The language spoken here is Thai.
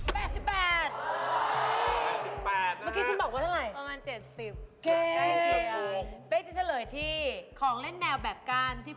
๙๘นะฮะเนี่ยเมื่อกี้คุณบอกว่าเท่าไหร่